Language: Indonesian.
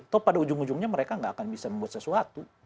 toh pada ujung ujungnya mereka nggak akan bisa membuat sesuatu